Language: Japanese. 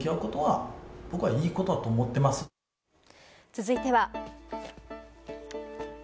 続いては。